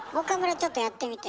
ちょっとやってみて。